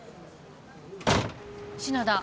篠田。